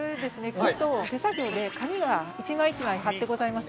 ◆木と、手作業で紙が一枚一枚貼ってございます。